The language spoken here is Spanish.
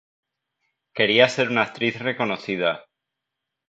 Quería ser una actriz reconocida.